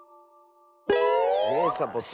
ねえサボさん。